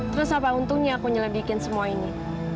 terus apa untungnya aku nyelebikin semua ini